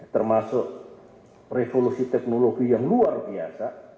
termasuk revolusi teknologi yang luar biasa